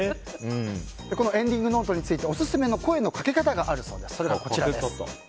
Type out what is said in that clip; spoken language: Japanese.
エンディングノートについてオススメの声のかけ方があるそうです。